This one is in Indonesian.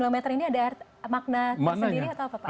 sembilan puluh sembilan meter ini ada makna sendiri atau apa pak